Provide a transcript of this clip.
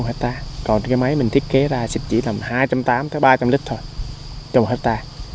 một hecta còn cái máy mình thiết kế ra xịt chỉ làm hai trăm tám mươi ba trăm linh lít thôi cho một hecta